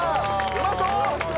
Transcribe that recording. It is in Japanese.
うまそう！